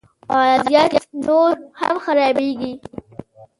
وضعیت نور هم خرابیږي